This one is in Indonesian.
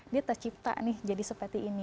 dia tercipta nih jadi seperti ini